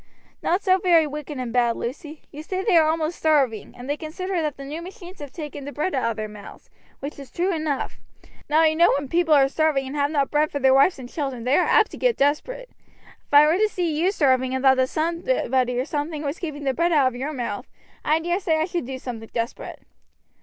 "Not so very wicked and bad, Lucy. You see they are almost starving, and they consider that the new machines have taken the bread out of their mouths, which is true enough. Now you know when people are starving, and have not bread for their wives and children, they are apt to get desperate. If I were to see you starving, and thought that somebody or something was keeping the bread out of your mouth, I dare say I should do something desperate."